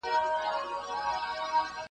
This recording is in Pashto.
سر تر نوکه وو خالق ښکلی جوړ کړی `